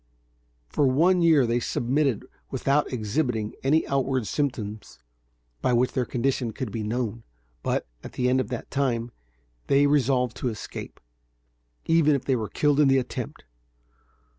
For one year they submitted without exhibiting any outward symptoms by which their condition could be known; but, at the end of that time, they resolved to escape, even if they were killed in the attempt.